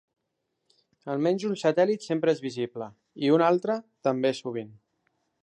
Almenys un satèl·lit sempre és visible, i un altre, també sovint.